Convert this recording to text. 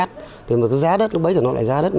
thì giá đất bấy giờ nó lại giá đất